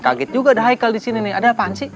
kaget juga ada haikal di sini nih ada apaan sih